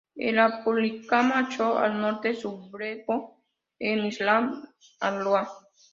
El Apurímac marchó al norte y sublevó en Islay al Loa.